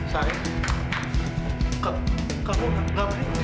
siapa kayak bujoh